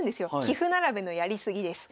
棋譜並べのやり過ぎです。